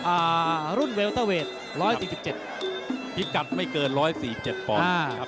อ่ารุ่นเวลเตอร์เวทร้อยสี่สิบเจ็ดพิกัดไม่เกินร้อยสี่เจ็ดปอนด์อ่าครับ